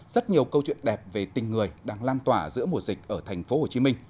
rất nhiều câu chuyện đẹp về tình người đang lan tỏa giữa mùa dịch ở tp hcm